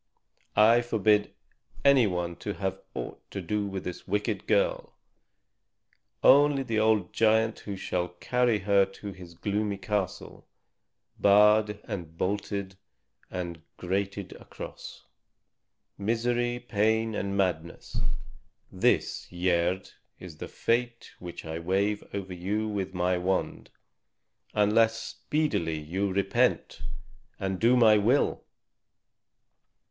I forbid any one to have aught to do with this wicked girl, only the old giant who shall carry her to his gloomy castle, barred and bolted and grated across. Misery, pain, and madness this, Gerd, is the fate which I wave over you with my wand, unless speedily you repent and do my will."